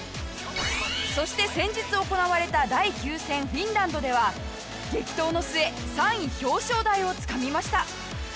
そして先日行われた第９戦フィンランドでは激闘の末３位表彰台をつかみました。